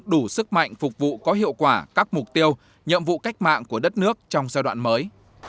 đủ sức mạnh phục vụ có hiệu quả các mục tiêu nhiệm vụ cách mạng của đất nước trong giai đoạn mới